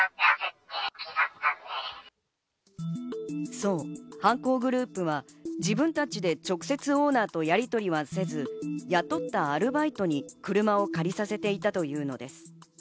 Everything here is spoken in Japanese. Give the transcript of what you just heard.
そう、犯行グループは自分たちで直接オーナーとやりとりはせず、雇ったアルバイトに車を借りさせていたというのです。